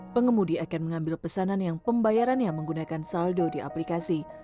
pengemudi akan mengambil pesanan yang pembayarannya menggunakan saldo di aplikasi